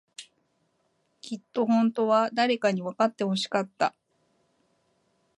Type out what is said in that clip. きっと、本当は、誰かにわかってほしかった。